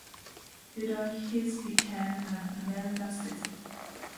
Later, he became an American citizen.